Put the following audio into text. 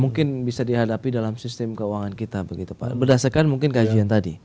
mungkin bisa dihadapi dalam sistem keuangan kita begitu pak berdasarkan mungkin kajian tadi